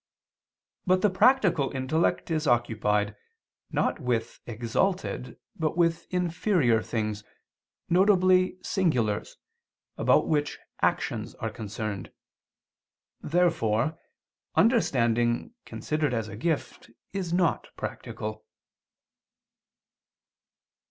But the practical intellect is occupied, not with exalted, but with inferior things, viz. singulars, about which actions are concerned. Therefore understanding, considered as a gift, is not practical.